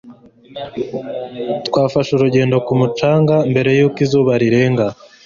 Twafashe urugendo ku mucanga mbere yuko izuba rirenga.